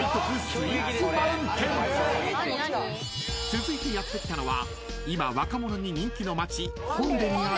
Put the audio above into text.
［続いてやって来たのは］